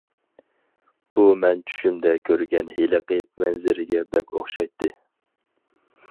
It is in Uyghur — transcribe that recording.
بۇ مەن چۈشۈمدە كۆرگەن ھېلىقى مەنزىرىگە بەك ئوخشايتتى.